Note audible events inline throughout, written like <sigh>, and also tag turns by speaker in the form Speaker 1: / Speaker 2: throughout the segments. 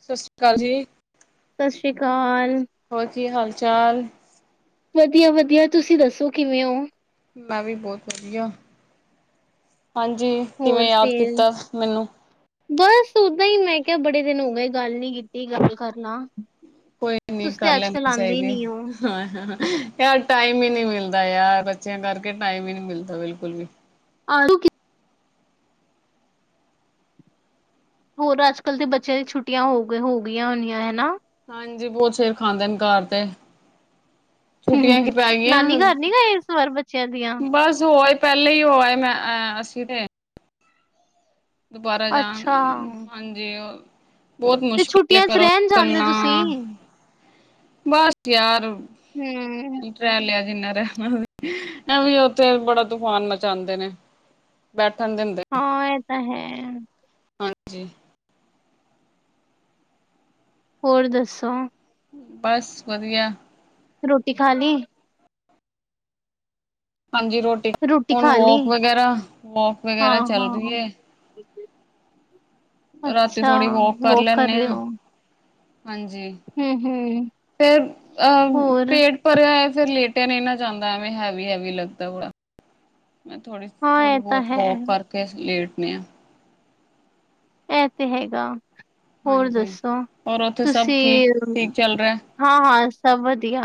Speaker 1: ਸਤਿ ਸ੍ਰੀ ਅਕਾਲ ਜੀ।
Speaker 2: ਸਤਿ ਸ੍ਰੀ ਅਕਾਲ।
Speaker 1: ਹੋਰ ਕੀ ਹਾਲ ਚ ਚਾਲ?
Speaker 2: ਵਧੀਆ ਵਧੀਆ ਤੁਸੀਂ ਦੱਸੋ ਕਿਵੇਂ ਹੋ?
Speaker 1: ਮੈਂ ਵੀ ਬਹੁਤ ਵਧੀਆ। ਹਾਂਜੀ
Speaker 2: ਹੋਰ
Speaker 1: ਕਿਵੇਂ ਯਾਦ
Speaker 2: ਫੇਰ
Speaker 1: ਕੀਤਾ ਮੈਨੂੰ?
Speaker 2: ਬਸ ਓਦਾਂ ਹੀ ਮੈਂ ਕਿਹਾ ਬੜੇ ਦਿਨ ਹੋ ਗਏ ਗੱਲ ਨਹੀਂ ਕੀਤੀ ਗੱਲ ਕਰਲਾ।
Speaker 1: ਕੋਈ ਨਹੀਂ ਕਰ ਲੈਣੀ ਚਾਹੀਦੀ
Speaker 2: ਨੀ ਹੋ
Speaker 1: ਯ ਟਾਈਮ ਹੀ ਨਹੀਂ ਮਿਲਦਾ ਯਾਰ। ਬੱਚਿਆਂ ਕਰਕੇ ਟਾਈਮ ਹੀ ਨਹੀਂ ਮਿਲਦਾ ਬਿਲਕੁਲ ਵੀ।
Speaker 2: <unintelligible> ਹੋਰ ਅੱਜ ਕੱਲ੍ਹ ਦੇ ਬੱਚਿਆਂ ਛੁੱਟੀਆਂ ਹੋ ਹੋ ਗਈਆਂ ਹੋਣੀਆਂ ਹਨਾ।
Speaker 1: ਹਾਂਜੀ ਬਹੁਤ ਸਿਰ ਖਾਂਦੇ ਨੇ ਘਰ ਤੇ। ਛੁੱਟੀਆਂ
Speaker 2: ਹੂੰ
Speaker 1: ਕੀ ਪੈ ਗਈਆਂ।
Speaker 2: ਨਾਨੀ ਘਰ ਨਹੀਂ ਗਏ ਇਸ ਵਾਰ ਬੱਚਿਆਂ ਦੀਆਂ?
Speaker 1: ਬਸ ਹੋ ਆਏ ਪਹਿਲੇ ਹੀ ਉਹ ਆਏ ਮੈਂ ਅਸੀਂ ਤੇ ਦੁਬਾਰਾ ਜਾਣ
Speaker 2: ਅੱਛਾ
Speaker 1: ਹਾਂਜੀ ਉਹ
Speaker 2: ਤੇ ਛੁੱਟੀਆਂ ਚ ਰਹਿਣ ਜਾਂਦੇ ਤੁਸੀਂ।
Speaker 1: ਬਸ ਯਾਰ।
Speaker 2: ਹਮ
Speaker 1: ਰਹਿ ਲਿਆ ਜਿੰਨਾ ਇਹ ਵੀ ਉੱਥੇ ਬੜਾ ਤੂਫਾਨ ਮਚਾਉਂਦੇ ਨੇ ਬੈਠ
Speaker 2: ਹਾਂ ਇਹ ਤਾਂ ਹੈ।
Speaker 1: ਹਾਂਜੀ।
Speaker 2: ਹੋਰ ਦੱਸੋ।
Speaker 1: ਬਸ ਵਧੀਆ।
Speaker 2: ਰੋਟੀ ਖਾ ਲਈ?
Speaker 1: ਹਾਂਜੀ ਰੋਟੀ ਹੁਣ
Speaker 2: ਖਾ
Speaker 1: ਵੋਕ
Speaker 2: ਲਈ
Speaker 1: ਵਗੈਰਾ ਵੋਕ
Speaker 2: ਹਾਂ
Speaker 1: ਵਗੈਰਾ ਚੱਲ ਰਹੀ ਹੈ
Speaker 2: ਹਾਂ
Speaker 1: ਰਾਤੀ
Speaker 2: ਅੱਛਾ
Speaker 1: ਥੋੜ੍ਹੀ ਵੋਕ ਕਰ ਲੈੇਨੇ ਆ ਹਾਂਜੀ
Speaker 2: ਹੂੰ-ਹੂੰ,
Speaker 1: ਫਰ ਅਹ
Speaker 2: ਹੋਰ
Speaker 1: ਪੇਟ ਭਰਿਆ ਹੈ ਫਿਰ ਲੇਟਿਆ ਨਹੀਂ ਨਾ ਜਾਂਦਾ ਐਵੇਂ ਹੈਵੀ ਹੈਵੀ ਲੱਗਦਾ ਵਾ ਮੈਂ ਥੋੜ੍ਹੀ
Speaker 2: ਹਾਂ
Speaker 1: ਥੋੜ੍ਹੀ
Speaker 2: ਇਹ ਤਾਂ
Speaker 1: ਬਹੁਤ
Speaker 2: ਹੈ,
Speaker 1: ਵੋਕ ਕਰਕੇ ਲੇਟ <unintelligible>
Speaker 2: ਇਹ ਤੇ ਹੈਗਾ ਹੋਰ
Speaker 1: ਹਾਂਜੀ
Speaker 2: ਦੱਸੋ
Speaker 1: ਔਰ ਉੱਥੇ ਸਭ ਠੀਕ
Speaker 2: ਤੁਸੀਂ
Speaker 1: ਠੀਕ ਚੱਲ ਰਿਹਾ
Speaker 2: ਹਾਂ ਹਾਂ ਸਭ ਵਧੀਆ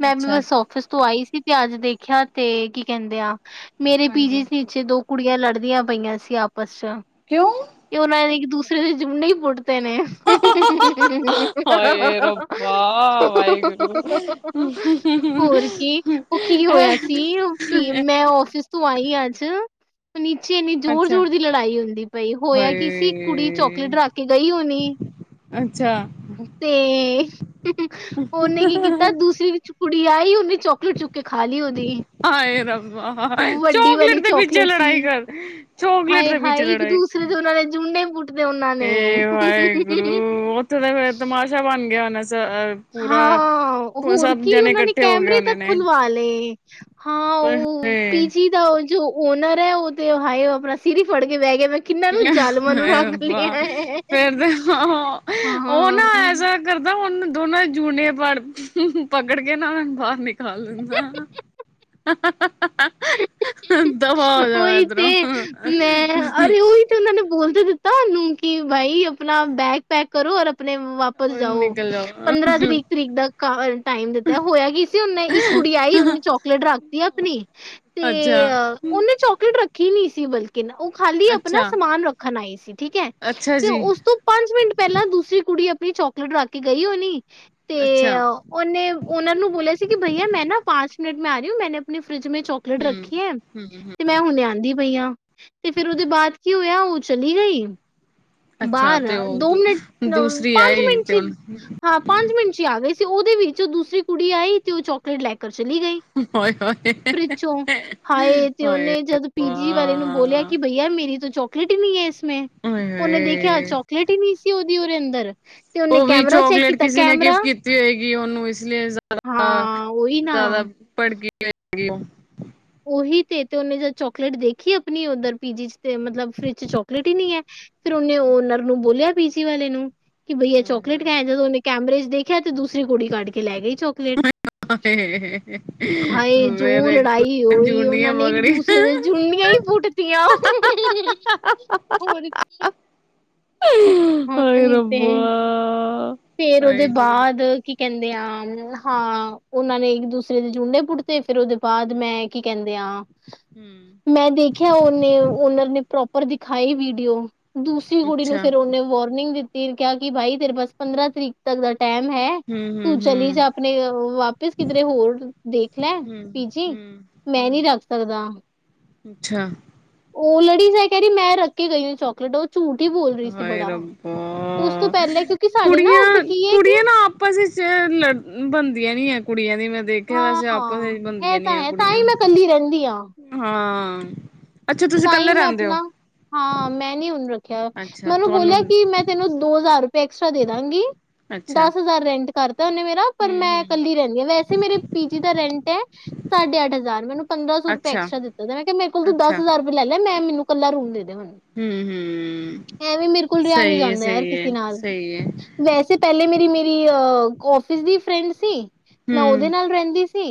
Speaker 2: ਮੈਂ ਵੀ
Speaker 1: ਅੱਛਾ
Speaker 2: ਬਸ ਆਫਿਸ ਤੋਂ ਆਈ ਤੇ ਅੱਜ ਦੇਖਿਆ ਸੀ ਤੇ ਕੀ ਕਹਿੰਦੇ ਆ ਮੇਰੇ ਪੀ ਜੀ
Speaker 1: ਹਾਂਜੀ
Speaker 2: ਸੀ ਚ ਦੋ ਕੁੜੀਆਂ ਲੜਦੀਆਂ ਪਈਆਂ ਸੀ ਆਪਸ ਚ
Speaker 1: ਕਿਉਂ
Speaker 2: ਕਿ ਉਹਨਾਂ <inaudible> ਜਿੰਨਈ ਪ <inaudible>
Speaker 1: ਹਾਏ ਰੱਬਾ ਵਾਹਿਗੁਰੂ
Speaker 2: <unintelligible> ਹੋਰ ਕੀ ਉਹ ਕੀ ਹੋਇਆ ਸੀ ਮੈਂ ਫਿਸ ਤੋਂ ਆਈ ਅੱਜ ਨੀਚੇ ਇੰਨੀ ਜ਼ੋਰ
Speaker 1: ਅੱਛਾ
Speaker 2: ਜ਼ੋਰ ਦੀ ਲੜਾਈ ਹੁੰਦੀ। ਬਾਈ ਹੋਇਆ ਕੀ ਸੀ, ਕੁੜੀ
Speaker 1: ਹਾਏ
Speaker 2: ਚੋਕਲੇਟ ਰੱਖ ਕੇ ਗਈ ਹੋਣੀ
Speaker 1: ਅੱਛਾ
Speaker 2: ਤੇ ਉਹਨੇ ਕੀ ਕੀਤਾ ਦੂਸਰੀ ਕੁੜੀ ਆਈ ਉਹਨੇ ਚਾਕਲੇਟ ਚੁੱਕ ਕੇ ਖਾ ਲਈ ਉਹਦੀ
Speaker 1: ਆਏ ਰਬਾ
Speaker 2: ਵੱਡੀ
Speaker 1: ਚੋਕਲੇਟ
Speaker 2: ਵਾਲੀ
Speaker 1: ਦੇ ਪਿੱਛੇ
Speaker 2: ਚੋਕਲੇਟ ਸੀ
Speaker 1: ਲੜਾਈ ਕਰ ਚੋਕਲੇਟ
Speaker 2: ਹਾਏ ਹਾਏ ਇੱਕ ਦੂਸਰੇ ਦੇ ਉਹਨਾ ਨੇ ਜੂੰਡੇ ਪੁੱਟਦੇ ਉਹਨਾਂ ਨੇ
Speaker 1: ਇਹਏ ਵਾਹਿਗੁਰੂ ਉੱਥੇ ਤਾਂ ਫੇਰ ਤਮਾਸ਼ਾ ਬਣ ਗਿਆ ਹੋਣਾ? ਪੂਰਾ
Speaker 2: ਹਾਂ, ਹੋਰ
Speaker 1: ਸਭ
Speaker 2: ਕੀ
Speaker 1: ਜਣੇ
Speaker 2: ਉਹਨਾਂ ਨੇ
Speaker 1: ਇਕੱਠੇ ਹੋ ਗਏ
Speaker 2: ਕੈਮਰੇ
Speaker 1: ਹੋਣੇ
Speaker 2: ਤੱਕ
Speaker 1: ਨੇ
Speaker 2: ਖੁਲਵਾ ਲਏ <inaudible> ਹਾਂ
Speaker 1: ਹਾਏ
Speaker 2: ਓ
Speaker 1: ਹਾਏ
Speaker 2: ਪੀਜੀ ਦਾ ਓ ਜੋ ਓਨਰ ਹੈ, ਉਹ ਤੇ ਹਾਏ ਉਹ ਆਪਣਾ ਸਰੀ ਫੜ ਕੇ ਬਹਿ ਗਿਆ ਮੈਂ ਕਿੰਨਾਂ ਨੂੰ ਜ਼ਾਲਮਾਂ ਨੂੰ
Speaker 1: ਹਾਏ
Speaker 2: ਰੱਖ ਲਿਆ
Speaker 1: ਰੱਬਾ
Speaker 2: ਹੈ
Speaker 1: ਫੇਰ ਤੇ ਆ ਉਹ ਨਾ
Speaker 2: ਹਾਂ
Speaker 1: ਐਸਾ ਕਰਦਾ ਹੁਨ ਦੋਨਾਂ ਜੂਨੇ ਬੜ ਪਕੜ ਕੇ ਨਾ ਉਹ ਨੂੰ ਬਾਹਰ ਨਿਕਾਲ ਦੇਂਦਾ ਦਫਾ ਹੋ ਜਾਵੇ
Speaker 2: ਉਹੀ
Speaker 1: ਇਦਰੋਂ
Speaker 2: ਉਹਨਾ ਨੇ ਬੋਲਤੇ ਦਿੱਤਾ ਉਹਨੂੰ ਕਿ ਬਾਈ ਆਪਣਾ ਬੈਗ ਪੈਕ ਕਰੋ ਔਰ ਆਪਣੇ ਵਾਪਿਸ
Speaker 1: ਉਹ
Speaker 2: ਜਾਓ
Speaker 1: ਨਿਕਲ ਜਾਓ
Speaker 2: ਪੰਦਰਾਂ ਤਰੀਕ, ਤਰੀਕ ਦਾ ਟਾਈਮ ਦਿੱਤਾ, ਹੋਇਆ ਕੀ ਸੀ ਉਹਨੇ ਇੱਕ ਕੁੜੀ ਆਈ ਉਹਨੇ ਚੋਕਲੇਟ ਰੱਖਤੀ ਆਪਣੀ ਤੇ
Speaker 1: ਅੱਛਾ
Speaker 2: ਉਹਨੇ ਚੋਕਲੇਟ ਰੱਖੀ ਹੀ ਨਹੀਂ ਸੀ ਬਲਕਿ ਤੇ ਨਾ ਉਹ ਖਾਲੀ ਆਪਣਾ
Speaker 1: ਅੱਛਾ
Speaker 2: ਸਮਾਨ ਰੱਖਣ ਆਈ ਸੀ ਠੀਕ ਹੈ,
Speaker 1: ਅੱਛਾ
Speaker 2: ਤੇ
Speaker 1: ਜੀ
Speaker 2: ਉਸ ਤੋਂ ਪੰਜ ਮਿੰਟ ਪਹਿਲਾਂ ਦੂਸਰੀ ਕੁੜੀ ਅਪ ਵੀ ਚੋਕਲੇਟ ਰੱਖ ਕੇ ਗਈ ਹੋਣੀ ਤੇ
Speaker 1: ਅੱਛਾ
Speaker 2: ਉਹਨੇ ਉਹਨਾਂ ਨੂੰ ਬੋਲਿਆ ਸੀ ਕਿ ਬਈਆ ਮੈਂ ਨਾ ਪਾਂਚ ਮਿੰਟ ਮੇ ਆ ਰੀਊ ਮੈਂ ਆਪਣੀ ਫਰਿਜ ਵਿਚ <unintelligible>
Speaker 1: ਹਮ
Speaker 2: ਰੱਖੀ ਏ,
Speaker 1: ਹਮ
Speaker 2: ਤੇ ਮੈਂ ਹੁਣ ਲਿਆਂਦੀ ਪਈ ਹਾਂ ਤੇ ਫਿਰ ਉਹਦੇ ਬਾਅਦ ਕੀ ਹੋਇਆ ਉ ਚਲੀ ਗਈ।
Speaker 1: ਅੱਛਾ
Speaker 2: ਬਾਹਰ
Speaker 1: ਤੇ ਉਹ
Speaker 2: ਦੋ
Speaker 1: ਦੂ
Speaker 2: ਮਿੰਟ,
Speaker 1: ਦੂਸਰੀ
Speaker 2: ਪੰਜ
Speaker 1: ਆਈ
Speaker 2: ਮਿੰਟ ਚ
Speaker 1: ਤੇ ਉਹ
Speaker 2: ਹਾਂ ਪੰਜ ਮਿੰਟ ਚੀ ਆ ਗਈ। ਤੇ ਉਹਦੇ ਵਿੱਚ ਉਹ ਦੂਸਰੀ ਕੁੜੀ ਆਈ ਤੇ ਉਹ ਚੋਕਲੇਟ ਲੈ ਕਰ ਚਲੀ ਗਈ
Speaker 1: ਹਾਏ ਹਾਏ
Speaker 2: ਫਰਿਜ਼ ਚੋ ਹਾਏ ਤੇ ਉਹਨੇ ਜਦ ਪੀਜੀ ਵਾਲੇ ਨੂੰ ਬੋਲਿਆ ਕਿ ਬਈਆ ਮੇਰੀ ਤੋਂ ਚੌ ਕ੍ਰਿਟੀਨੀਏਸ ਮੈਂ
Speaker 1: ਹਾਏ
Speaker 2: ਉਹਨੇ ਦੇਖਿਆ
Speaker 1: ਹਾਏ
Speaker 2: ਚੌਕਲੇਟ ਹੀ ਨਹੀਂ ਸੀ ਓ ਉਹਦੀ ਉਹਦੇ ਅੰਦਰ ਤੇ ਉਹਨੇ
Speaker 1: ਉਹ ਵੀ
Speaker 2: ਕੈਮਰਾ ਚੈੱਕ
Speaker 1: ਚੋਕਲੇਟ
Speaker 2: ਕੀਤਾ
Speaker 1: ਕਿਸੇ ਨੇ
Speaker 2: ਕੈਮਰਾ
Speaker 1: ਗਿਫਟ ਕੀਤੀ ਹੋਏਗੀ ਉਹਨੂੰ ਇਸ ਲਈ ਜ਼ਿਆਦਾ-
Speaker 2: ਹਾਂ ਉਹੀ ਨਾ
Speaker 1: ਜ਼ਿਆਦਾ ਭੜਕੀ <inaudible>
Speaker 2: ਉਹੀ ਤੇ ਤੇ ਉਹਨੇ ਜਦ ਚੋਕਲੇਟ ਦੇਖੀ ਆਪਣੀ ਉੱਧਰ ਪੀਜੀ ਚ ਤੇ ਮਤਲਬ ਫਰਿਜ ਚੋਕਲੇਟ ਹੀ ਨਹੀਂ ਹੈ। ਫਿਰ ਉਹਨੇ ਓਨਰ ਨੂੰ ਬੋਲਿਆ ਪੀਜੀ ਵਾਲੇ ਨੂੰ ਕਿ ਬਈਆ
Speaker 1: ਉਹ ਹੋਏ
Speaker 2: ਚੋਕਲੇਟ
Speaker 1: ਹੋਏ
Speaker 2: ਕਹਿ ਜਦੋਂ ਉਹਨੇ ਕੈਮਰੇਜ ਦੇਖਿਆ ਤੇ ਦੂਸਰੀ ਕੁੜੀ ਕੱਢ ਕੇ ਲੈ ਗਈ ਚੋਕਲੇਟ ਹਾਏ
Speaker 1: ਫੇਰ
Speaker 2: ਜੋ
Speaker 1: ਇੱਕ
Speaker 2: ਲੜਾਈ ਉਹੀ ਉਹਨਾ
Speaker 1: ਜੂੰਡੀਆਂ
Speaker 2: ਨੇ ਇੱਕ
Speaker 1: ਪਕੜੀ
Speaker 2: ਦੂਸਰੇ ਦੇ ਜੁੰਡੀਆਂ ਹੀ ਪੁੱਟਤੀਆਂ ਹਾਂ
Speaker 1: ਹਾਏ
Speaker 2: ਨੀ ਤੇ
Speaker 1: ਰੱਬਾ
Speaker 2: ਫੇਰ ਉਹਦੇ
Speaker 1: ਵਾਹਿਗੁਰੂ
Speaker 2: ਬਾਅਦ ਕੀ ਕਹਿੰਦੇ ਆ ਹਾਂ ਉਹਨਾਂ ਨੇ ਇੱਕ ਦੂਸਰੇ ਦੇ ਜੁੰਡੇ ਪੁੱਟਤੇ ਫਿਰ ਉਹਦੇ ਬਾਅਦ ਮੈਂ ਕੀ ਕਹਿੰਦੇ ਆ
Speaker 1: ਹੂੰ
Speaker 2: ਮੈਂ ਦੇਖਿਆ ਉਹਨੇ ਓਨਰ ਨੇ ਪ੍ਰੋਪ ਪਰ ਦਿਖਾਈ ਵੀਡੀਓ ਦੂਸਰੀ ਕੁੜੀ ਨੂੰ
Speaker 1: ਅੱਛਾ
Speaker 2: ਫਿਰ ਉਹਨੇ ਵੋਰਨਿੰਗ ਦਿੱਤੀ ਕਿਹਾ ਕਿ ਬਾਈ ਤੇਰੇ ਬਸ ਪੰਦਰਾਂ ਤਰੀਕ ਤੱਕ ਦਾ ਟੈਮ ਹੈ
Speaker 1: ਹੂੰ ਹੂੰ
Speaker 2: ਤੂੰ ਚਲੀ
Speaker 1: ਹੂੰ
Speaker 2: ਜਾ ਆਪਣੇ ਵਾਪਿਸ ਕਿਧਰੇ ਹੋਰ ਦੇਖ ਲੈ
Speaker 1: ਹੂੰ
Speaker 2: ਪੀਜੀ
Speaker 1: ਹੂੰ
Speaker 2: ਮੈਂ ਨਹੀਂ
Speaker 1: ਹੂੰ
Speaker 2: ਰੱਖ ਸਕਦਾ
Speaker 1: ਅੱਛਾ
Speaker 2: ਓ ਲ ਦੀ ਮੈੰ ਕਹਿ ਰਹੀ ਮੈਂ ਰੱਖ ਕੇ ਗਈ ਹੂੰ ਚੋਕਲੇਟ ਉਹ ਝੂਠ ਹੀ ਬੋਲ ਰਹੀ ਸੀ ਬੜਾ ਉਸ ਤੋਂ
Speaker 1: ਹਾਂਆਂ,
Speaker 2: ਪਹਿਲੇ ਕਿਉਂਕਿ ਸਾਡੇ ਨਾ ਉੱਥੇ
Speaker 1: ਕੁੜੀਆਂ,
Speaker 2: ਕੀ ਹੈ ਕਿ
Speaker 1: ਕੁੜੀਆਂ ਨਾ ਆਪਸ ਵਿੱਚ ਲੜ ਬਣਦੀਆਂ ਨੀ ਹੈ ਕੁੜੀਆਂ ਦੀ ਮੈਂ ਦੇਖਿਆ ਵੈਸੇ ਆਪਸ ਏਚ
Speaker 2: ਹਾਂ ਇਹ
Speaker 1: ਬਣਦੀਆਂ ਨਹੀਂ
Speaker 2: ਤਾਂ
Speaker 1: ਆ
Speaker 2: ਹੈ ਤਾਂ
Speaker 1: ਕੁੜੀਆਂ।
Speaker 2: ਹੀ ਮੈਂ ਕੱਲੀ
Speaker 1: ਹਾਂ <inaudible>
Speaker 2: ਤਾਂ
Speaker 1: ਇਕੱਲੇ
Speaker 2: ਹੀ ਮੈਂ
Speaker 1: ਰਹਿੰਦੇ ਹੋ
Speaker 2: ਆਪਣਾ, ਹਾਂ ਮੈਂ ਨੀ ਹੁਣ ਰ ਕਿਆ?
Speaker 1: ਅੱਛਾ
Speaker 2: ਮੈਂ ਉਹਨੂੰ
Speaker 1: ਤੁਹਾਨੂੰ
Speaker 2: ਬੋਲਿਆ ਕਿ ਮੈਂ ਤੈਨੂੰ ਦੋ ਹਜ਼ਾਰ ਐਕਸਟਰਾ ਦੇ ਦਾਂਗੀ।
Speaker 1: ਅੱਛਾ
Speaker 2: ਦਸ ਹਜ਼ਾਰ ਰੈਂਟ ਨੇ ਮੇਰਾ। ਪਰ
Speaker 1: ਹੂੰ
Speaker 2: ਮੈਂ
Speaker 1: ਹੂੰ
Speaker 2: ਕੱਲੀ ਰਹਿੰਦੀ ਹਾਂ। ਵੈਸੇ ਮੇਰੇ ਪੀ ਜੀ ਦਾ ਰੈਂਟ ਹੈ ਸਾਢੇ ਅੱਠ ਹਜ਼ਾਰ। ਮੈਂ ਉਨੂੰ ਪੰਦਰਾਂ ਸ ਰੁਪਏ
Speaker 1: ਅੱਛਾ
Speaker 2: ਐਕਸਟਰਾ ਦਿੱਤੋ ਸੀ। ਮੈਂ ਕਿਹਾ ਮੇਰੇ ਕੋਲ ਤੂੰ ਦਸ
Speaker 1: ਅੱਛਾ
Speaker 2: <unintelligible> ਲੌਲੌ ਮੈਂ। ਮੈਨੂੰ ਕਲਾ ਰੂਮ ਦੇ। ਕਓੰ?
Speaker 1: ਹੂੰ ਹੂੰ
Speaker 2: ਐਵੀਂ ਮੇਰੇ ਕੋਲ ਰਿਹਾ ਨਹੀ
Speaker 1: ਸਹੀ ਹੈ
Speaker 2: ਜਾਂਦਾ ਯਾਰ
Speaker 1: ਸਹੀ ਹੈ
Speaker 2: ਕਿਸੇ ਨਾਲ।
Speaker 1: ਸਹੀ ਹੈ
Speaker 2: ਵੈਸੇ ਪਹਿਲੇ ਮੇਰੀ ਮਿ ਕੀ ਓ ਆੱਫਿਸ ਦੀ ਫਰੈਂਡ ਸੀ? ਮੈਂ ਉਹਦੇ
Speaker 1: ਹੂੰ
Speaker 2: ਨਾਲ ਰਹਿੰਦੀ ਸੀ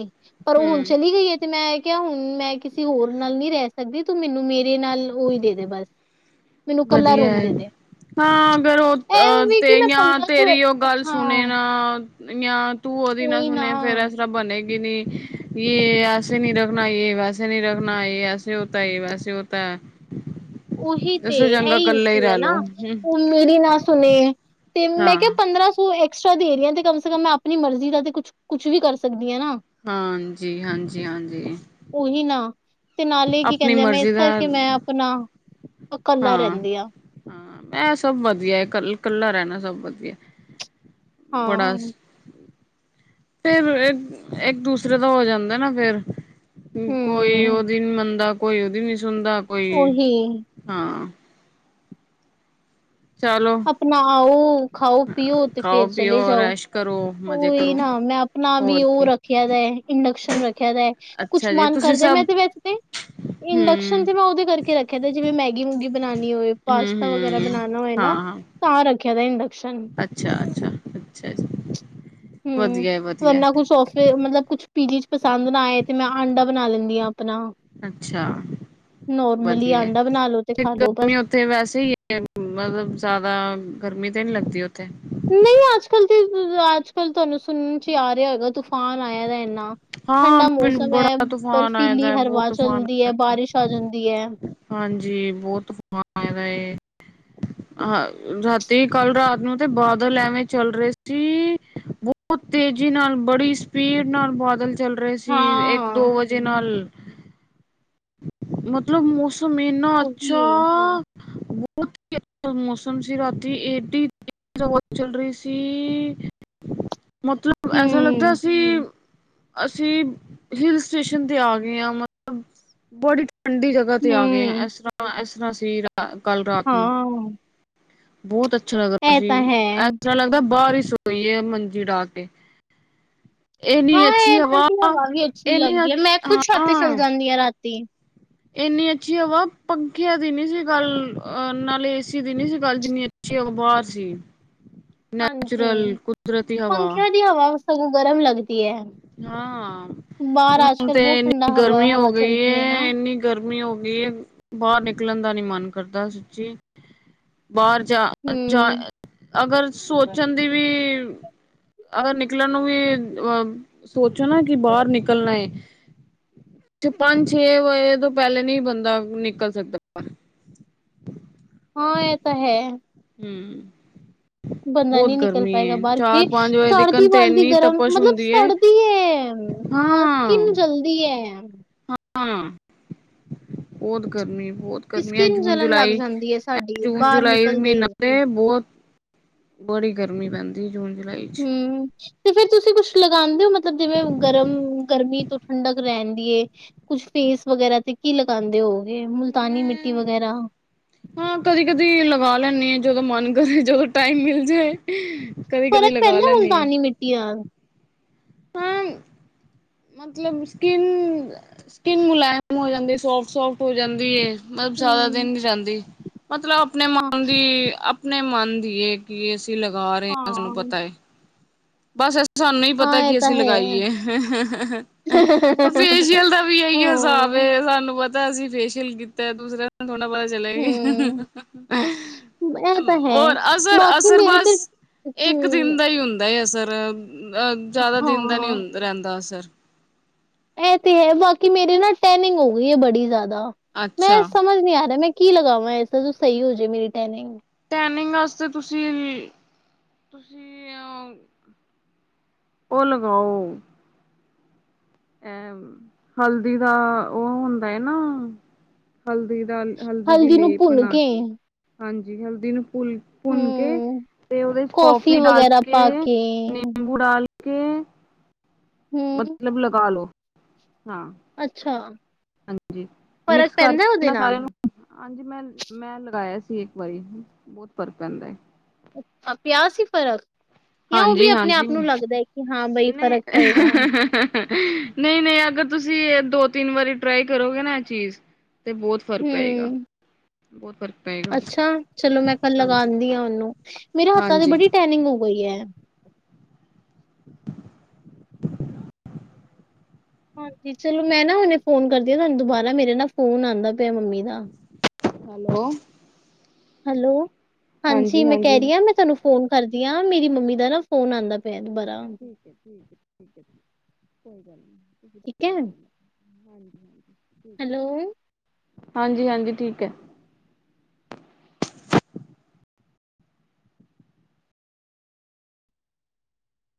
Speaker 2: ਪਰ ਉਹ ਹੁਣ
Speaker 1: ਹੂੰ
Speaker 2: ਚਲੀ ਗਈ ਹੈ ਤੇ ਮੈਂ ਕਿਆ ਹੁਣ, ਮੈਂ ਕਿਸੇ ਹੋਰ ਨਾਲ ਨੀ ਰਹਿ ਸਕਦੀ ਤੂੰ ਮੈਨੂੰ ਮੇਰੇ ਨਾਲ ਓਹੀ ਦੇ-ਦੇ ਬਸ। ਮੈਨੂੰ ਕੱਲਾ
Speaker 1: ਵਧੀਆ
Speaker 2: ਰੂਮ
Speaker 1: ਹੈ।
Speaker 2: ਦੇ ਦੇ
Speaker 1: ਹਾਂ, ਅਗਰ ਉਹ
Speaker 2: ਇਹ
Speaker 1: ਅਹ
Speaker 2: ਵੀ ਕਿ ਮੈਂ
Speaker 1: ਤੇਰੀਆਂ,
Speaker 2: ਪੰਦਰਾਂ ਸੌ
Speaker 1: ਤੇਰੀ ਉਹ ਗੱਲ ਸੁਣੇ
Speaker 2: ਹਾਂ
Speaker 1: ਨਾ <unintelligible> ਤੂੰ ਉਹਦੀ ਨਾ ਸੁਣੇ, ਫੇਰ ਇਸ ਤਰ੍ਹਾਂ ਬਣੇ ਕਿਣੀ, ਯੇ ਏਸੇ ਨਹੀਂ ਰਖਨਾ, ਯੇਹ ਵੈਸੇ ਨਹੀਂ ਰਖਨਾ, ਯੇਹ ਏਸੇ ਹੋਤਾ ਹੈ, ਯੇਹ ਵੈਸੇ ਹੋਤਾ ਹੈ।
Speaker 2: ਉਹੀ
Speaker 1: ਇਸ
Speaker 2: ਤੇ।
Speaker 1: ਸੇ ਚੰਗਾ
Speaker 2: ਇਹੀ
Speaker 1: ਕੱਲਾ ਹੀ
Speaker 2: ਇਸ਼ੂ ਹੈ
Speaker 1: ਰਹਿ ਲੋ
Speaker 2: ਨਾ। ਹੁਣ ਮੇਰੀ ਨਾ ਸੁਣੇ ਤੇ ਮੈਂ ਕਿਹਾ
Speaker 1: ਹਾਂ।
Speaker 2: ਪੰਦਰਾਂ ਸੌ ਏ ਏਕਸਟਰਾ ਦੇਰੀਆਂ ਤੇ ਕਮ ਸ ਕਮ ਆਪਣੀ ਮਰਜ਼ੀ ਦਾ ਤੇ ਕੁ ਕੁਛ ਵੀ ਕਰ ਸਕ
Speaker 1: ਹਾਂਜੀ, ਹਾਂਜੀ-ਹਾਂਜੀ।
Speaker 2: ਉਹੀ ਨਾ ਤੇ ਨਾਲ ਹੀ ਕੀ ਕਹਿੰਦੇ, ਮੈਂ ਇਸ ਕਰਕੇ ਮੈਂ ਆਪਣਾ ਇਕੱਲਾ
Speaker 1: ਹਾਂ,
Speaker 2: ਰਹਿੰਦੀ ਆ
Speaker 1: ਹਾਂ ਇਹ ਸਭ ਵਧੀਆ ਏ ਕੱਲ ਕੱਲਾ ਰਹਿਣਾ ਸਭ ਵਧੀਆ। ਬੜਾ
Speaker 2: ਹਾਂ।
Speaker 1: ਫੇਰ ਇੱਕ ਦੂਸਰੇ ਦਾ ਹੋ ਜਾਂਦਾ ਨਾ ਫੇਰ। ਕੋਈ
Speaker 2: ਹਮ
Speaker 1: ਉਹਦੀ ਦੀ ਮੰਨਦਾ ਕੋਈ ਉਹਦੀ <unintelligible> ਸੁੁੰਦਾ ਕੋਈ।
Speaker 2: ਉਹੀ
Speaker 1: ਹਾਂ। ਚਲੋ
Speaker 2: ਆਪਣਾ ਆਓ ਖਾਓ ਪੀਓ ਤੇ ਫੇਰ
Speaker 1: ਖਾਓ
Speaker 2: ਚਲੇ
Speaker 1: ਪੀਓ
Speaker 2: ਜਾਓ
Speaker 1: ਰੈਸ਼ ਕਰੋ ਮਜ਼ੇ
Speaker 2: ਓਹੀ
Speaker 1: ਕਰੋ
Speaker 2: ਨਾ ਮੈਂ ਆਪਣਾ ਵੀ
Speaker 1: ਹੋਰ
Speaker 2: ਉਹ
Speaker 1: ਕੀ
Speaker 2: ਰੱਖਿਆ ਦਾ ਇੰਡਕਸ਼ਨ ਰੱਖਿਆ ਦਾ ਕੁਛ
Speaker 1: ਅੱਛਾ ਜੀ
Speaker 2: ਮਨ
Speaker 1: ਤੁਸੀਂ
Speaker 2: ਕਰਦੇ ਮੈਂ
Speaker 1: ਸਭ
Speaker 2: ਤੇ ਵੈਸੇ ਇੰਡਕਸ਼ਨ
Speaker 1: ਹਮ
Speaker 2: ਤੇ ਮੈਂ ਉਹਦੇ ਕਰਕੇ ਰੱਖਿਆ ਦਾ ਜਿਵੇਂ ਮੈਗੀ ਮੂਗੀ ਬਨਾਣੀ ਹੋਏ
Speaker 1: ਹਮ
Speaker 2: ਪਾਸਤਾ ਵਗੈਰਾ
Speaker 1: ਹਮ
Speaker 2: ਬਣਾਣਾ ਹੋਏ ਨਾ ਤਾਂ ਰੱਖਿਆ ਤਾਂ ਇੰਡ
Speaker 1: ਅੱਛਾ-ਅੱਛਾ ਅੱਛਾ ਜੀ।
Speaker 2: ਹੁੰ
Speaker 1: ਵਧੀਆ ਵਧੀਆ
Speaker 2: ਵਰਨਾ ਕੁਛ <unintelligible> ਮਤਲਬ ਕੁਛ ਪੀਜੀ ਚ ਪਸੰਦ ਨਾ ਆਏ ਤੇ ਮੈਂ ਆਂਡਾ ਬਣਾ ਲੈਣੀ ਆ
Speaker 1: ਅੱਛਾ
Speaker 2: ਨੋਰਮਲੀ
Speaker 1: ਵਧੀਆ
Speaker 2: ਆਂਡਾ ਬਣਾ ਲੋ ਤੇ ਖਾ ਲੋ ਬਸ
Speaker 1: ਉੱਥੇ <unintelligible> ਵੈਸੇ ਹੀ ਮਤਲਬ ਜ਼ਿਆਦਾ <inaudible> ਗਰਮੀ ਤੇ ਨਹੀਂ ਲੱਗਦੀ ਉੱਥੇ
Speaker 2: ਨਹੀਂ ਅੱਜ ਕੱਲ ਤੇ ਅੱਜ ਕੱਲ ਤੁਹਾਨੂੰ ਸੁਣਨ ਚ ਆ ਰਿਹਾ ਹੋਏਗਾ <unintelligible> ਤੂਫ਼ਾਨ ਆਇਆ ਦਾ ਇੰਨਾ
Speaker 1: ਹਾਂ
Speaker 2: ਠੰਡਾ
Speaker 1: ਬਿਲ
Speaker 2: ਮੌਸਮ ਹੈ
Speaker 1: ਬੜਾ ਤੂਫਾਨ ਆਏ
Speaker 2: ਬਰਫੀਲੀ
Speaker 1: ਦਾ ਬਹੁਤ
Speaker 2: ਹਵਾ
Speaker 1: ਤੂਫਾਨ
Speaker 2: ਚਲਦੀ ਹੈ ਬਾਰਿਸ਼ ਆ ਜਾਂਦੀ ਹੈ
Speaker 1: ਹਾਂਜੀ ਬਹੁਤ ਤੂਫਾਨ ਆਏ ਦਾ ਏ ਹਾਂ ਰਾਤੀ ਕੱਲ ਰਾਤ ਨੂੰ ਤੇ ਬਾਦਲ ਐਵੇਂ ਚੱਲ ਰਹੇ ਸੀ ਬਹੁਤ ਤੇਜ਼ੀ ਨਾਲ ਬੜੀ ਸ ਸਪੀਡ ਨਾਲ ਬਾਦਲ ਚੱਲ ਰਹੇ ਸੀ ਇੱਕ
Speaker 2: ਹਾਂ,
Speaker 1: ਦੋ ਵਜੇ ਨਾਲ। ਮਤਲਬ ਮੌਸ ਏਨਾ
Speaker 2: ਉਹੀ
Speaker 1: ਅਛਾ ਬਹੁਤ ਹੀ <inaudible> ਮੌਸਮ ਸੀ ਰਾਤੀ ਏਡੀ <inaudible> ਹਵਾ ਚੱਲ ਰਹੀ ਸੀ। ਮਤਲਬ ਐਸਾ ਲੱਗਦਾ।
Speaker 2: ਹੂੰ,
Speaker 1: ਅਸੀਂ ਹਿਲ ਸਟੇਸ਼ਨ ਤੇ ਆ ਗਏ ਆਂ ਮਤਲਬ ਬਡੀ ਠੰਡੀ ਜਗ੍ਹਾ ਤੇ ਆ ਗਏ ਆ
Speaker 2: ਹੂੰ,
Speaker 1: <unintelligible> <unintelligible> ਕੱਲ੍ਹ ਰਾਤ ਨੂੰ
Speaker 2: ਹਾਂ
Speaker 1: ਬਹੁਤ <unintelligible> <unintelligible>
Speaker 2: ਇਹ ਤਾਂ ਹੈ।
Speaker 1: ਐਸ ਤਰ੍ਹਾਂ ਲੱਗਦਾ ਬਾਰਿਸ਼ ਸੋਇਏ ਮੰਜੀ ਡਾ ਕੇ -
Speaker 2: ਹਾਂ ਏਧਰ ਦੀ ਹਵਾ ਵੀ ਅੱਛੀ
Speaker 1: ਇੰਨੀ ਹਾਂ
Speaker 2: ਲੱਗਦੀ ਹੈ ਮੈਂ ਖੁੱਦ ਛੱਤ ਤੇ ਚੱਲ ਜਾਣੀ ਆ ਰਾਤੀ
Speaker 1: ਇੰਨੀ ਅੱਛੀ ਹਵਾ ਪੰਖੇ ਦੀ ਨੀ ਸੀ ਕੱਲ ਨਾਲ ਏਸੀ ਦੀ ਨੀ ਸੀ ਕਾਲ ਜਿੰਨੀ ਅਛੀ ਹਵਾ ਬਾਹਰ ਸੀ
Speaker 2: ਹਾਂਜੀ
Speaker 1: ਨੈਚੁਰਲ ਕੁਦਰਤੀ ਹਵਾ
Speaker 2: ਪੰਖਿਆ ਦੀ ਹਵਾ ਸਗੋਂ ਗਰਮ ਲੱਗਦੀ- ਹੈ।
Speaker 1: ਹਾਂ
Speaker 2: ਬਾਹਰ
Speaker 1: ਹਾਂ
Speaker 2: ਅੱਜ
Speaker 1: ਹੁਣ
Speaker 2: ਕੱਲ
Speaker 1: ਤੇ
Speaker 2: ਬਹੁਤ ਠੰਡਾ
Speaker 1: ਇਨੀ
Speaker 2: ਹਵਾ
Speaker 1: ਗਰਮੀ ਹੋ
Speaker 2: ਹਵਾ ਚੱਲ
Speaker 1: ਗਈ
Speaker 2: ਰਹੀ
Speaker 1: ਹੈ
Speaker 2: ਨਾ
Speaker 1: ਇੰਨੀ ਗਰਮੀ ਹੋ ਗਈ ਹੈ ਬਾਹਰ ਨਿਕਲਣ ਦਾ ਨੀ ਮਨ ਕਰਦਾ ਸੀ ਬਾਹਰ ਜਾ ਜਾ
Speaker 2: ਹੂੰ।
Speaker 1: ਅਗਰ ਸੋਚਣ ਦੀ ਵੀ ਅਗਰ <unintelligible> ਨਿਕਲਨ ਨੂੰ ਵੀ <unintelligible> ਸੋਚੋ ਨਾ ਕਿ ਬਾਹਰ ਨਿਕਲਣਾ ਏ ਪੰਜ ਛੇ ਵਜੇ ਤੋਂ ਪਹਿਲੇ ਨੀ ਬੰਦਾ ਨਿਕਲ ਸਕਦਾ ਵਾ
Speaker 2: ਹਾਂ ਇਹ ਤਾਂ ਹੈ
Speaker 1: ਹਮ
Speaker 2: ਬੰਦਾ ਨਹੀਂ ਨਿਕਲ ਪਾਏਗਾ ਬਾਹਰ ਕੇ
Speaker 1: ਪੰਜ ਵਜੇ
Speaker 2: ਸਰਦੀ
Speaker 1: ਤੀਕਨ ਤੇ
Speaker 2: ਵਾਲਦੀ
Speaker 1: ਇੰਨੀ
Speaker 2: ਗਰਮ
Speaker 1: ਤਪਸ਼
Speaker 2: ਮਤਲਬ
Speaker 1: ਹੁੰਦੀ ਏ
Speaker 2: ਸਰਦੀ ਹੈ ਹਾਂ ਸਕਿਨ ਜਲਦੀ ਹੈ
Speaker 1: ਹਾਂ ਉਹ ਤੇ ਕਰਨੀ ਬਹੁਤ ਗਰਮੀ ਹੈ
Speaker 2: ਸਕਿਨ
Speaker 1: ਜੂਨ
Speaker 2: ਜਲਣ ਲੱਗ
Speaker 1: ਜੁਲਾਈ
Speaker 2: ਜਾਂਦੀ ਹੈ ਸਾਡੀ
Speaker 1: ਜੂਨ
Speaker 2: ਬਾਹਰ
Speaker 1: ਜੁਲਾਈ
Speaker 2: ਨਿਕਲਦੇ
Speaker 1: ਮਹੀਨਾ
Speaker 2: ਹੀ।
Speaker 1: ਤੇ ਬਹੁਤ ਬੜੀ ਗਰਮੀ ਪੈਂਦੀ ਜੂਨ ਚ ਜੁਲਾਈ
Speaker 2: ਹਮ ਤੇ ਫਿਰ ਤੁਸੀਂ ਕੁਛ ਲਗਾਉਂਦੇ ਹੋ ਮਤਲਬ ਜਿਵੇਂ ਗਰਮ ਗਰਮੀ ਤੋਂ ਠੰਡਕ ਰਹਿੰਦੀ ਏ ਕੁਛ ਫੇਸ ਵਗੈਰਾ ਤੇ ਕੀ ਲਗਾਉਂਦੇ ਹੋ ਮੁਲਤਾਨੀ ਮਿੱਟੀ ਵਗੈਰਾ
Speaker 1: ਹਾਂ ਕਦੀ ਕਦੀ ਲਗਾ ਲੈਂਦੀ ਆ ਜਦੋਂ ਮਨ ਕਰੇ ਜਦੋਂ ਟਾਈਮ ਮਿਲ ਜਾਏ ਕਦੀ ਕਦੀ
Speaker 2: ਫਰਕ
Speaker 1: ਲਗਾ
Speaker 2: ਪੈਂਦਾ
Speaker 1: ਲੈਂਦੀ
Speaker 2: ਮੁਲਤਾਨੀ ਮਿੱਟੀ ਨਾਲ
Speaker 1: ਹਾਂ ਮਤਲਬ ਸਕਿੰਨ ਸਕਿੰਨ ਮੁਲਾਇਮ ਹੋ ਜਾਂਦੀ ਸੋਫਟ ਸੋਫਟ ਹੋ ਜਾਂਦੀ ਹੈ ਮਤਲਬ ਜ਼ਿਆਦਾ ਦਿਨ
Speaker 2: ਹੂੰ
Speaker 1: ਨੀ ਜਾਂਦੀ ਮਤਲਬ ਆਪਣੇ
Speaker 2: ਹਾਂ।
Speaker 1: ਮਨ ਦੀ ਆਪਣੇ ਮਨ ਦੀਏ ਕਿ ਅਸੀਂ ਲਗਾ ਰਹੇ ਹੈ ਸਾਨੂੰ
Speaker 2: ਹਾਂ।
Speaker 1: ਪਤਾ ਹੈ ਬਸ ਸਾਨੂੰ ਹੀ
Speaker 2: ਹਾਂ
Speaker 1: ਪਤਾ
Speaker 2: ਇਹ
Speaker 1: ਕਿ
Speaker 2: ਤਾਂ
Speaker 1: ਅਸੀਂ
Speaker 2: ਹੈ
Speaker 1: ਲਗਾਈਏ ਫੇਸ਼ੀਅਲ ਦਾ ਵੀ ਇਹੀ ਹਿਸਾਬ
Speaker 2: ਹਾਂ
Speaker 1: ਸਾਨੂੰ ਪਤਾ ਦਾ ਅਸੀਂ ਫੇਸ਼ੀਅਲ ਕੀਤਾ ਦੂਸਰਾ ਥੋੜਾ ਪਤਾ ਚੱਲਿਆਗੀ
Speaker 2: ਹੂੰ। ਇਹ ਤਾਂ ਹੈ
Speaker 1: ਹੋਰ
Speaker 2: ਬਾਕੀ
Speaker 1: ਅਸਰ-ਅਸਰ
Speaker 2: ਮੇਰੇ ਤੇ
Speaker 1: ਬਸ ਇੱਕ ਦਿਨ
Speaker 2: ਹੂੰ
Speaker 1: ਦਾ ਹੀ ਹੁੰਦਾ ਅਸਰ ਪਰ ਅਹ ਜ਼ਿਆਦਾ ਦਿਨ ਦਾ
Speaker 2: ਹਾਂ।
Speaker 1: ਨਹੀਂ ਰਹਿੰਦਾ ਅਸਰ
Speaker 2: ਇਹ ਤੇ ਹੈ ਬਾਕੀ ਮੇਰੇ ਨਾ ਟੈਨਿੰਗ ਹੋ ਗਈ ਹੈ ਬੜੀ ਜ਼ਿਆਦਾ ਮੈਂ
Speaker 1: ਅੱਛਾ
Speaker 2: ਸਮਝ ਨੀ ਆ ਰਿਹਾ ਮੈਂ ਕੀ ਲਗਾਵਾਂ ਐਸਾ ਜੋ ਸਹੀ ਹੋ ਜਾੇ ਮੇਰੀ ਟੈਨਿੰਗ
Speaker 1: ਟੈਨਿੰਗ ਵਾਸਤੇ ਤੁਸੀਂ-ਤੁਸੀਂ ਅ ਉਹ ਲਗਾਓ ਅ ਹਲਦੀ ਦਾ ਉਹ ਹੁੰਦਾ ਹੈ ਨਾ ਹਲਦੀ ਹਲਦੀ ਦੀ ਲੇਪ ਬਣਾ ਕੇ ਹਾਂਜੀ ਹੈਲਦੀ ਨੂੰ ਭੁੰਨ ਕੇ
Speaker 2: ਹੂੰ
Speaker 1: ਤੇ ਉਹਦੇ ਚ
Speaker 2: ਕੌਫੀ
Speaker 1: ਕੋਫੀ ਡਾਲ
Speaker 2: ਵਗੈਰਾ
Speaker 1: ਕੇ
Speaker 2: ਪਾ
Speaker 1: ਨਿੰਬੂ ਡਾਲ ਕੇ <inaudible>
Speaker 2: ਹੂੰ
Speaker 1: ਮਤਲਬ ਲ <inaudible> ਪਾਲੋ
Speaker 2: ਅੱਛਾ।
Speaker 1: ਹਾਂਜੀ
Speaker 2: ਫ਼ਰਕ
Speaker 1: ਮਿਕਸ
Speaker 2: ਪੈਂਦਾ ਉਹਦੇ
Speaker 1: ਕਰਕੇ
Speaker 2: ਨਾਲ
Speaker 1: ਸਾਰ ਨੂੰ ਹਾਂਜੀ ਮੈਂ ਮੈਂ ਲਗਾਇਆ ਸੀ ਇੱਕ ਵਾਰੀ ਬਹੁਤ ਫਰਕ ਪੈਂਦਾ ਹੈ।
Speaker 2: ਅੱਛਾ ਪਿਆ ਸੀ ਫ਼ਰਕ। ਜਾਂ ਉਹ ਵੀ
Speaker 1: ਹਾਂਜੀ
Speaker 2: ਆਪਣੇ
Speaker 1: ਹਾਂਜੀ
Speaker 2: ਆਪ ਨੂੰ ਲੱਗਦਾ ਹੈ ਕਿ ਹਾਂ ਬਈ ਫ਼ਰਕ ਪਏਗਾ।
Speaker 1: ਨਹੀਂ-ਨਹੀਂ ਅਗਰ ਤੁਸੀਂ ਇਹ ਦੋ ਤਿੰਨ ਵਾਰੀ ਟਰਾਈ ਕਰੋਗੇ ਨਾ ਇਹ ਚੀਜ਼ ਤੇ ਬਹੁਤ ਫ਼ਰਕ ਪਏਗਾ।
Speaker 2: ਹੂੰ
Speaker 1: ਬਹੁਤ ਫਰਕ,
Speaker 2: ਅੱਛਾ ਚਲੋ ਮੈਂ ਕੱਲ ਲਗਾ ਦੀ ਆ ਉਹਨੂੰ ਮੇਰੇ ਹੱਥਾਂ ਤੇ
Speaker 1: ਹਾਂਜੀ
Speaker 2: ਬੜੀ ਟੈਨਿੰਗ ਹੋ ਗਈ ਹੈ। ਹਾਂਜੀ ਚਲੋ ਮੈਂ ਨਾ ਹੁਣੇ ਫੋਨ ਕਰਦੀ ਆ ਤੁਹਾਨੂੰ ਦੁਬਾਰਾ ਮੇਰੇ ਨਾ ਫ਼ੋਨ ਆਦਾ ਪਿਆ ਮੰਮੀ ਦਾ।
Speaker 1: ਹੈਲੋ,
Speaker 2: ਹੈਲੋ, ਹਾਂਜੀ ਮੈਂ ਕਹਿ ਰਹੀ ਹਾਂ ਮੈਂ ਤੁਹਾਨੂੰ ਫੋਨ, ਕਰਦੀਆਂ ਮੇਰੀ ਮੰਮੀ ਦਾ ਨਾ ਫੋਨ ਆਦਾ ਪਿਆ। ਦੁਬਾਰਾ
Speaker 1: ਠੀਕ ਹੈ ਠੀਕ ਹੈ ਠੀਕ ਹੈ ਕੋਈ ਗੱਲ ਨੀ ਤੁਸੀਂ
Speaker 2: ਠੀਕ ਹੈ
Speaker 1: ਹਾਂਜੀ-ਹਾਂਜੀ,
Speaker 2: ਹੈਲੋ,
Speaker 1: ਹਾਂਜੀ-ਹਾਂਜੀ ਠੀਕ ਐ,